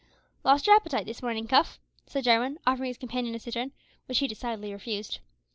"Lost your appetite this morning, Cuff?" said Jarwin, offering his companion a citron, which he decidedly refused.